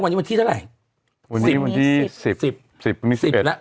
วันนี้๑๐หรือ๑๐นะ